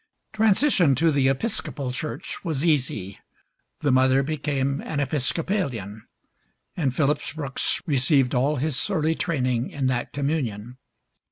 Transition to the Episcopal church was easy; the mother became an Episcopalian, and Phillips Brooks received all his early training in that communion.